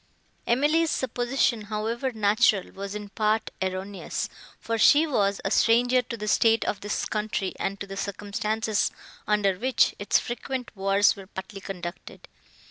Emily's supposition, however natural, was in part erroneous, for she was a stranger to the state of this country and to the circumstances, under which its frequent wars were partly conducted.